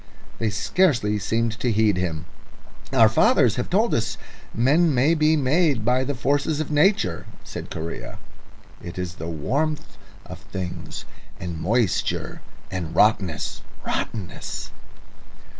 They scarcely seemed to heed him. "Our fathers have told us men may be made by the forces of Nature," said Correa. "It is the warmth of things and moisture, and rottenness rottenness."